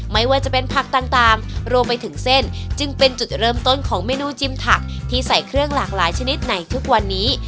ไม่ว่าจะเป็นผักต่างรวมไปถึงเส้นจึงเป็นจุดเริ่มต้นของเมนูจิมถักที่ใส่เครื่องหลากหลายชนิดในทุกวันนี้